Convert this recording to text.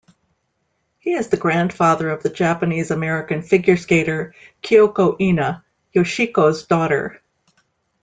He is the grandfather of the Japanese-American figure skater Kyoko Ina, Yoshiko's daughter.